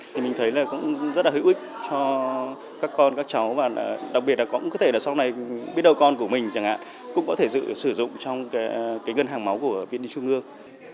thì mình thấy là cũng rất là hữu ích cho các con các cháu và đặc biệt là cũng có thể là sau này biết đâu con của mình chẳng hạn cũng có thể sử dụng trong cái ngân hàng máu của viện nhi trung ương